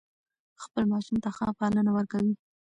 خپل ماشوم ته ښه پالنه ورکوي.